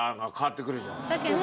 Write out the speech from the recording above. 確かに。